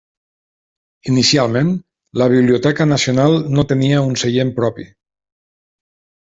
Inicialment, la Biblioteca Nacional no tenia un seient propi.